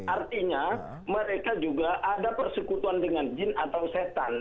artinya mereka juga ada persekutuan dengan jin atau setan